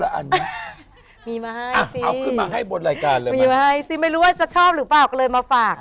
ตรงตามมาให้บนไลย์การเลยไม่รู้จะชอบหรือเปล่ามาฝาก